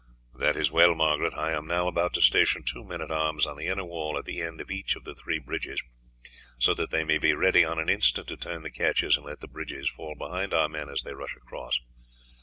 "That is well, Margaret. I am now about to station two men at arms on the inner wall at the end of each of the three bridges, so that they may be ready on the instant to turn the catches and let the bridges fall behind our men as they rush across.